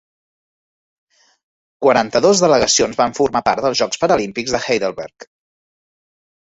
Quaranta-dos delegacions van formar part dels Jocs Paralímpics de Heidelberg.